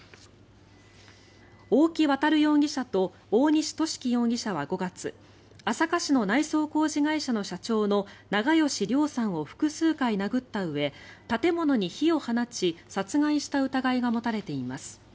大木渉容疑者と大西寿貴容疑者は５月朝霞市の内装工事会社の社長の長葭良さんを吹く数回殴ったうえ建物に火を放ち殺害した疑いが持たれています。